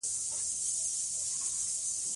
هېچا ته هم په سپک نظر مه ګورئ!